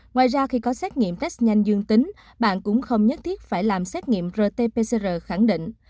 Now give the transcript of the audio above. ngoài ra khi có xét nghiệm test nhanh dương tính bạn cũng không nhất thiết phải làm xét nghiệm rt pcr khẳng định